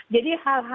jadi hal hal sifatnya